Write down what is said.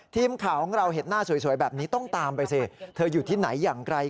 ทีมข่าวของเราเห็นหน้าสวยแบบนี้ต้องตามไปสิเธออยู่ที่ไหนอย่างไร